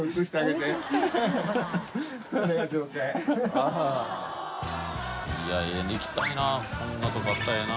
小田）いや行きたいなこんなとこあったんやな。